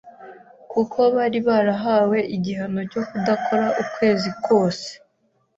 kuko bari barahawe igihano cyo kudakora ukwezi kose